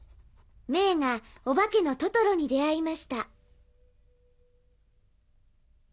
メイがお化けのトトロに出会いました」。